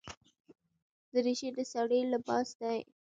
دریشي د سړي لباس دی.